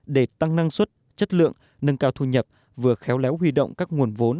để tăng năng suất chất lượng nâng cao thu nhập vừa khéo léo huy động các nguồn vốn